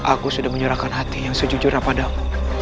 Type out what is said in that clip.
aku sudah menyerahkan hati yang sejujurnya padaku